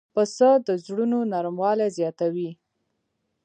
پسه د زړونو نرموالی زیاتوي.